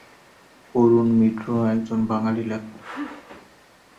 অরুণ মিত্র একজন বাঙালি লেখক।